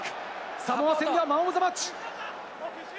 サモア戦ではマン・オブ・ザ・マッチ。